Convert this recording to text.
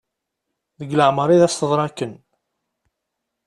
Deg leɛmer i as-teḍra akken.